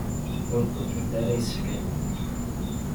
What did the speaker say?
Ur qebblent ara isefka-nni.